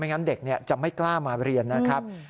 ไม่งั้นเด็กเนี่ยจะไม่กล้ามาเรียนนะครับ